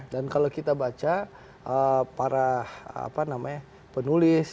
dan kalau kita baca para penulis